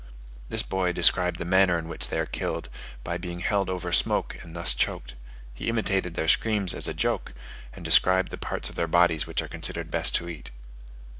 This boy described the manner in which they are killed by being held over smoke and thus choked; he imitated their screams as a joke, and described the parts of their bodies which are considered best to eat.